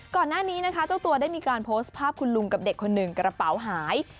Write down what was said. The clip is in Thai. ก่อนหน้านี้นะคะเจ้าตัวได้มีการโพสต์ภาพคุณลุงกับเด็กคนหนึ่งกระเป๋าหาย